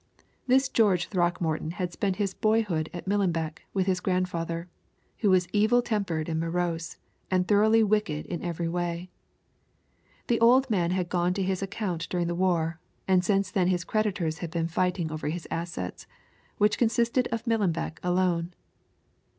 This George Throckmorton had spent his boyhood at Millenbeck with his grandfather, who was evil tempered and morose, and thoroughly wicked in every way. The old man had gone to his account during the war, and since then his creditors had been fighting over his assets, which consisted of Millenbeck alone.